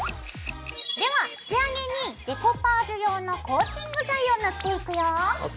では仕上げにデコパージュ用のコーティング剤を塗っていくよ。ＯＫ。